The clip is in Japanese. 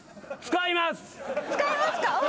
使いますかお。